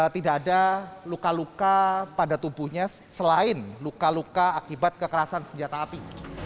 tidak ada luka luka pada tubuhnya selain luka luka akibat kekerasan senjata api